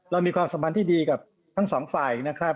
มีความสัมพันธ์ที่ดีกับทั้งสองฝ่ายนะครับ